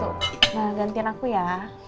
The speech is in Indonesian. udah tuh gantiin aku ya